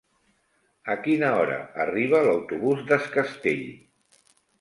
A quina hora arriba l'autobús d'Es Castell?